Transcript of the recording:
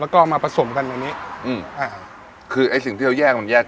แล้วก็มาผสมกันแบบนี้อืมอ่าคือไอ้สิ่งที่เราแยกมันแยก